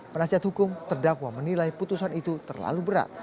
penasihat hukum terdakwa menilai putusan itu terlalu berat